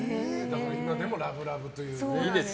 今でもラブラブというね。